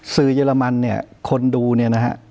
เยอรมันเนี่ยคนดูเนี่ยนะฮะ